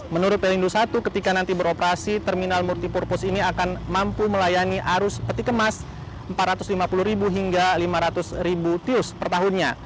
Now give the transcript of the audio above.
menurut pelindung satu ketika nanti beroperasi terminal multipurpose ini akan mampu melayani arus peti kemas empat ratus lima puluh hingga lima ratus tius per tahunnya